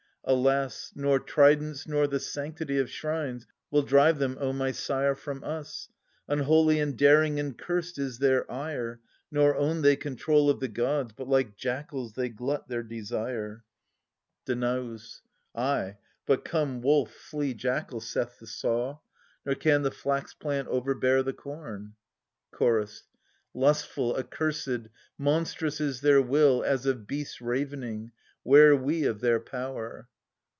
Alas, nor tridents nor the sanctity Of shrines will drive them, O my sire, from us ! Unholy and daring and cursed is their ire. Nor own they control Of the gods, but like jackals they glut their desire. 38 THE SUPPLIANT MAIDENS. Danaus. Ay, but Come wolf, flee jackal., saith the saw; Nor can the flax plant overbear the corn. Chorus. lustful, accursbd, monstrous is their will As of beasts ravening — 'ware we of their power